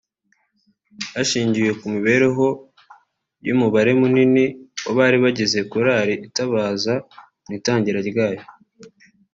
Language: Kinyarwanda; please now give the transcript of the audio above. Hashingiwe ku mibereho y’umubare munini w’abari bagize korali Itabaza mu itangira ryayo